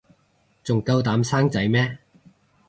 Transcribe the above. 仲夠膽生仔咩